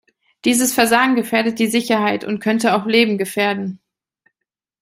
Dieses Versagen gefährdet die Sicherheit und könnte auch Leben gefährden.